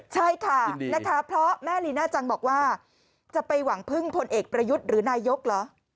ใช่ค่ะนะคะเพราะแม่ลีน่าจังบอกว่าจะไปหวังพึ่งพลเอกประยุทธ์หรือนายกเหรอ